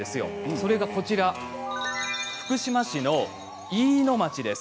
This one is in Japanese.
それが福島市の飯野町です。